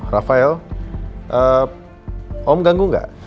rafael om ganggu nggak